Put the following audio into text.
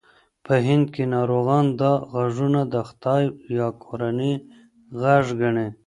په هند کې ناروغان دا غږونه د خدای یا کورنۍ غږ ګڼي.